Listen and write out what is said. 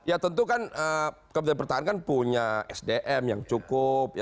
ya tentu kan kementerian pertahanan kan punya sdm yang cukup